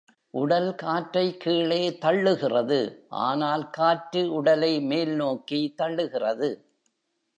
உடல் காற்றை கீழே "தள்ளுகிறது", ஆனால் காற்று உடலை மேல்நோக்கி தள்ளுகிறது.